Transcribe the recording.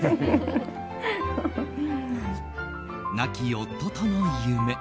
亡き夫との夢。